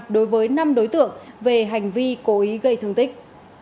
đối với năm đối tượng về hành vi cố ý gây thương tích